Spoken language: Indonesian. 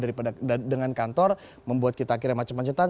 daripada dengan kantor membuat kita akhirnya macem macetan